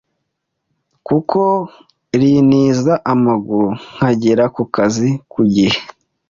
kuko rintiza amaguru nkagera ku kazi ku gihe